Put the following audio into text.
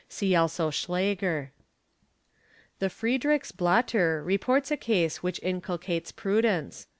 See also Schlager ®". The Friedrich's Blidtter reports a case which inculcates prudence.